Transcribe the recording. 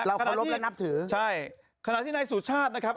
เคารพและนับถือใช่ขณะที่นายสุชาตินะครับ